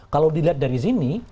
kalau dilihat dari sini